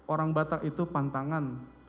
orang batak itu pantangan